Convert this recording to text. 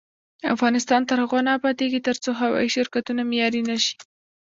افغانستان تر هغو نه ابادیږي، ترڅو هوايي شرکتونه معیاري نشي.